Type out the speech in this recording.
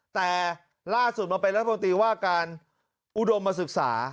แต่ล่าสุดมาเป็นรัฐมนตรีว่าการอุดมศึกษา